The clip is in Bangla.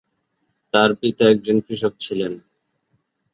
তার পিতা একজন কৃষক ছিলেন।